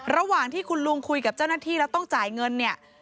ระหว่างที่คุณลุงคุยกับเจ้าหน้าที่แล้วต้องจ่ายเงินเนี่ย